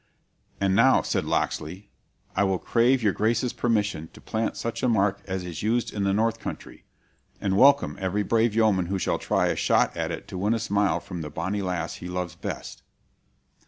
"'And now,' said Locksley, 'I will crave your Grace's permission to plant such a mark as is used in the North Country; and welcome every brave yeoman who shall try a shot at it to win a smile from the bonny lass he loves best.'"